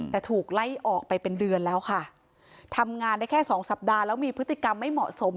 แต่ถูกไล่ออกไปเป็นเดือนแล้วค่ะทำงานได้แค่สองสัปดาห์แล้วมีพฤติกรรมไม่เหมาะสม